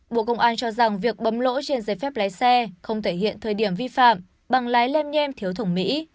bộ công an cho rằng việc bấm lỗi trên giấy phép lái xe không thể hiện thời điểm vi phạm bằng lái lem nhem thiếu thủ mỹ